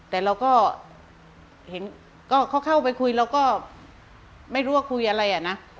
แต่เราก็เข้าไปคุยแล้วก็ไม่รู้ว่าคุยอะไรอะนะ